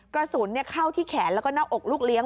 กระสุนเข้าที่แขนแล้วก็หน้าอกลูกเลี้ยง